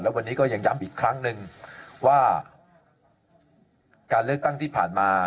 วันนี้ก็ยังย้ำอีกครั้งหนึ่งว่าการเลือกตั้งที่ผ่านมา